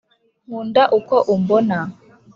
nkunda uko umbona